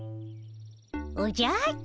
おじゃっと。